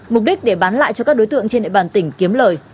mục đích để bán lại cho các đối tượng trên địa bàn tỉnh kiếm lời